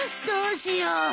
どうしよう。